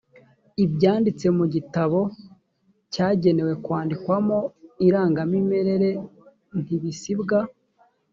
ibyanditse mu gitabo cyagenewe kwandikwamo irangamimerere ntibisibwa